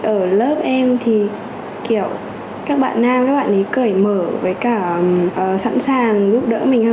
ở lớp em thì kiểu các bạn nam các bạn ấy cởi mở với cả sẵn sàng giúp đỡ mình hơn